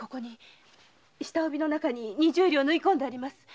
下帯の中に二十両縫い込んであります。